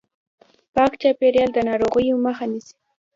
پاک چاپیریال د ناروغیو مخه نیسي.